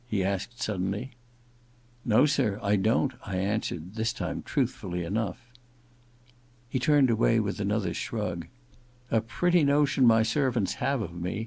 he asked suddenly. * No, sir, I don't,' I answered, this time truth fully enough. He turned away with another shrug. *A pretty notion my servants have of me